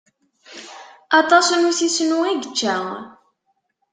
Aṭas n usisnu i yečča.